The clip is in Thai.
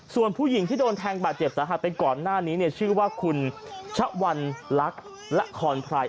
ส่วนผู้หญิงที่โดนแทงบาดเจ็บสาหัสไปก่อนหน้านี้เนี่ยชื่อว่าคุณชะวันลักษณ์และคอนไพร